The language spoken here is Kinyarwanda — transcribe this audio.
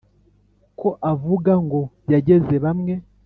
Ko avuga ngo yageze bamwe.